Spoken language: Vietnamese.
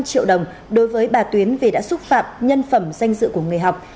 năm triệu đồng đối với bà tuyến vì đã xúc phạm nhân phẩm danh dự của người học